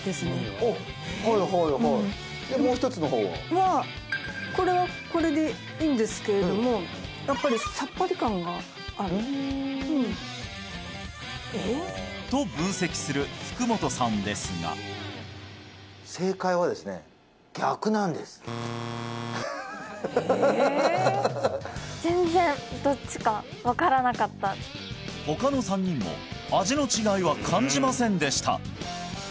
おっはいはいはいでもう一つの方は？はこれはこれでいいんですけれどもやっぱりさっぱり感があると分析する福本さんですが全然どっちか分からなかった他の３人も味の違いは感じませんでした